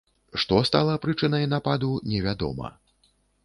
Што стала прычынай нападу, невядома.